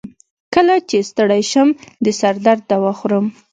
کله چې ستړی شم، د سر درد دوا خورم.